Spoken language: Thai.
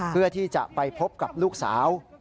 เพื่อที่จะไปพบกับลูกสาว